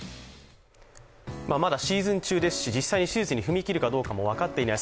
まだシーズン中ですし、実際に手術に踏み切るかどうかも分かっていない